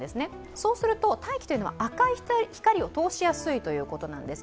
そうすると、大気というのは赤い光を通しやすいそうなんです。